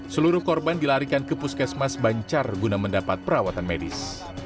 seluruh korban dilarikan ke puskesmas bancar guna mendapat perawatan medis